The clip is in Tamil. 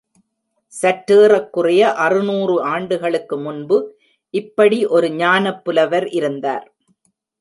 சற்றேறக்குறைய அறுநூறு ஆண்டுகளுக்கு முன்பு இப்படி ஒரு ஞானப் புலவர் இருந்தார்.